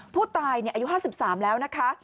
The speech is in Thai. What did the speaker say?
ผู้ตายเนี่ยอายุห้าสิบสามแล้วนะคะ